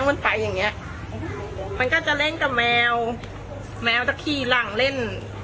มันไปอย่างเงี้ยมันก็จะเล่นกับแมวแมวจะขี่หลังเล่น